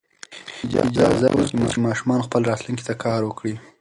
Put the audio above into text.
اجازه ورکړئ چې ماشومان خپلې راتلونکې ته کار وکړي.